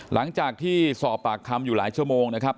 หลังจากที่สอบปากคำอยู่หลายชั่วโมงนะครับ